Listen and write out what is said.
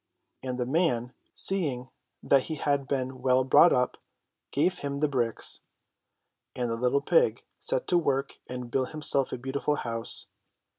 And the man, seeing that he had been well brought up, gave him the bricks, and the little pig set to work and built himself a beautiful house.